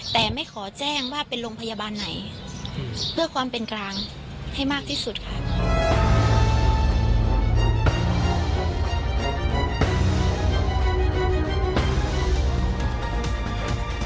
แต่ไม่ขอแจ้งว่าเป็นโรงพยาบาลไหนเพื่อความเป็นกลางให้มากที่สุดค่ะ